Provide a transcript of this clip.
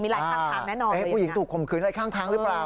ลายข้างทางแน่นอนผู้หญิงถูกข่มขืนอะไรข้างทางหรือเปล่า